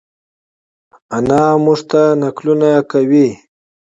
انا مونږ ته نقلونه کوی